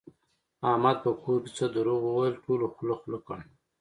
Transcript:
احمد په کور کې څه دروغ وویل ټولو خوله خوله کړ.